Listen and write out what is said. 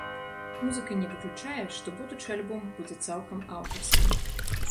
Музыка не выключае, што будучы альбом будзе цалкам аўтарскім.